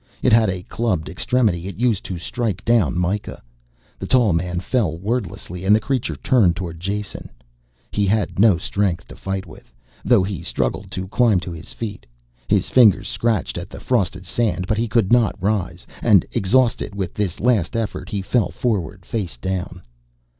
It had a clubbed extremity it used to strike down Mikah. The tall man fell wordlessly and the creature turned towards Jason. He had no strength to fight with, though he struggled to climb to his feet. His fingers scratched at the frosted sand, but he could not rise, and exhausted with this last effort he fell forward face down.